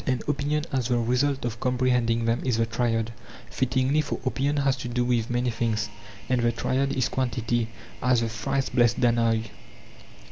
And opinion as the result of comprehending them is the triad; fittingly, for opinion has to do with many things; and the triad is quantity, as 'The thrice blessed Danaoi.